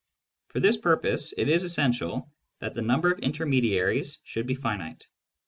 For this purpose, it is essential that the number of intermediaries should be finite.